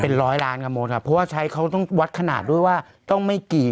เป็นร้อยล้านกันหมดครับเพราะว่าใช้เขาต้องวัดขนาดด้วยว่าต้องไม่กี่